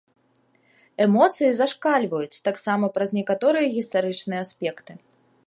Эмоцыі зашкальваюць таксама праз некаторыя гістарычныя аспекты.